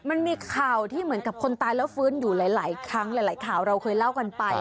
มันมีข่าวที่เหมือนกับคนตายแล้วฟื้นอยู่หลายครั้งหลายข่าวเราเคยเล่ากันไป